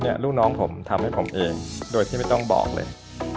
ลูกน้องผมทำให้ผมเองโดยที่ไม่ต้องบอกเลย